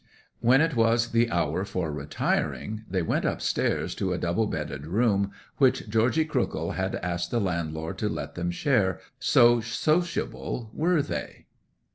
When it was the hour for retiring they went upstairs to a double bedded room which Georgy Crookhill had asked the landlord to let them share, so sociable were they.